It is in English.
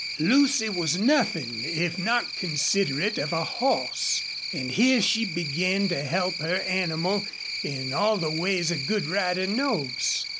Lucy was nothing if not considerate of a horse, and here she began to help her animal in all the ways a good rider knows.